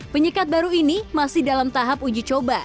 penyekat baru ini masih dalam tahap uji coba